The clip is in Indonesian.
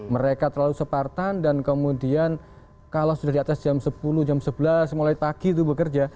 mereka terlalu separtan dan kemudian kalau sudah di atas jam sepuluh jam sebelas mulai pagi itu bekerja